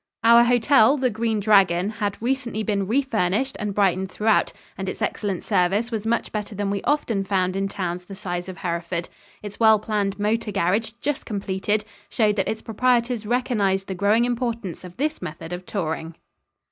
Our hotel, the Green Dragon, had recently been re furnished and brightened throughout, and its excellent service was much better than we often found in towns the size of Hereford. Its well planned motor garage, just completed, showed that its proprietors recognized the growing importance of this method of touring.